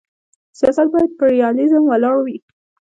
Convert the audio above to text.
سیاست باید پر ریالیزم ولاړ وي.